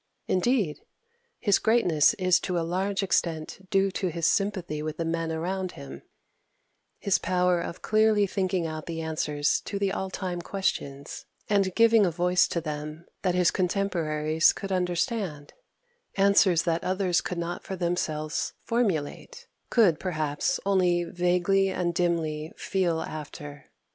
Indeed, his greatness is to a large extent due to his sympathy with the men around him, his power of clearly thinking out the answers to the all time questions, and giving a voice to them that his contemporaries could understand; answers that others could not for themselves formulate could, perhaps, only vaguely and dimly feel after.